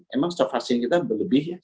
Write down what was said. emang stok vaksin kita berlebih ya